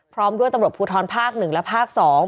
พร้อมด้วยตำรวจภูทรภาค๑และภาค๒